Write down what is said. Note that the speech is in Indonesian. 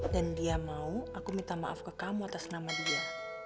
dan dia mau aku minta maaf ke kamu atas nama dia